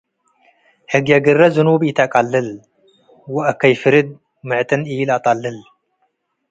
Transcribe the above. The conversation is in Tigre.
. ህግየ ግረ ዝኑብ ኢተቀልል። ወአከይ ፍርድ ምዕጥን ኢለአጠልል፣